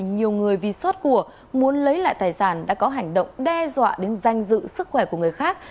nhiều người vì xót của muốn lấy lại tài sản đã có hành động đe dọa đến danh dự sức khỏe của người khác